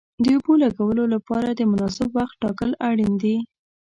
د اوبو د لګولو لپاره د مناسب وخت ټاکل اړین دي.